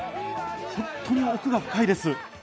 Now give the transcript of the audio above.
本当に奥が深いです。